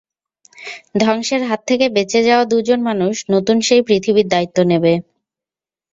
ধ্বংসের হাত থেকে বেঁচে যাওয়া দুজন মানুষ নতুন সেই পৃথিবীর দায়িত্ব নেবে।